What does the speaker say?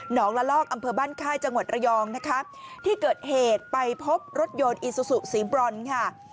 งละลอกอำเภอบ้านค่ายจังหวัดระยองนะคะที่เกิดเหตุไปพบรถยนต์อีซูซูสีบรอนค่ะ